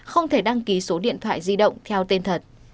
không thể đăng ký số điện thoại di động theo tên thật